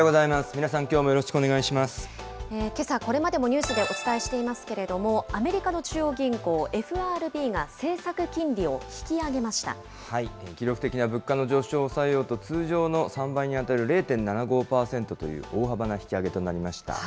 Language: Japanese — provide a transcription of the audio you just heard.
皆さん、きょうもよろしくお願いけさ、これまでもニュースでお伝えしていますけれども、アメリカの中央銀行、ＦＲＢが政策金記録的な物価の上昇を抑えようと、通常の３倍に当たる０．７５％という大幅な引き上げとなりました。